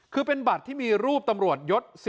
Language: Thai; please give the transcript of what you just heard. คือเป็นบัตรที่มีรูปตำรวจยศ